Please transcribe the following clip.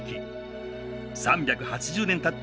３８０年たった